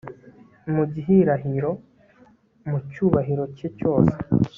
mu gihirahiro, mu cyubahiro cye cyose